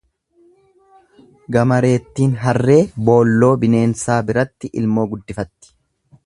Gamareettiin harree boolloo bineensaa birratti ilmoo guddifatti.